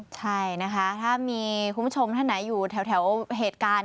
ใช่นะคะถ้ามีคุณผู้ชมท่านไหนอยู่แถวเหตุการณ์